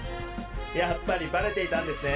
やっぱりバレていたんですね。